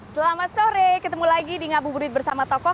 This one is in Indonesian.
selamat sore ketemu lagi di ngabuburit bersama tokoh